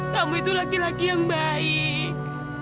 kamu itu laki laki yang baik